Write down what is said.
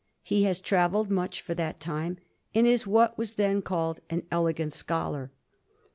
He has travelled much for that time, and is what was then called an elegant scholar.